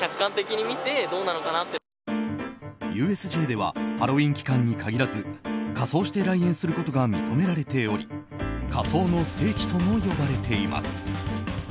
ＵＳＪではハロウィーン期間に限らず仮装して来園することが認められており仮装の聖地とも呼ばれています。